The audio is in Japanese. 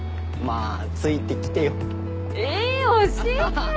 え教えてよ！